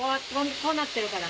こうなってるから。